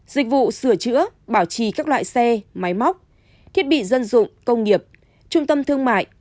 dịch vụ sửa chữa bảo trì các loại xe máy móc thiết bị dân dụng công nghiệp trung tâm thương mại